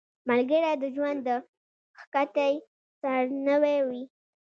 ملګری د ژوند د کښتۍ سارنوی وي